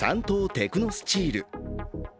テクノスチール。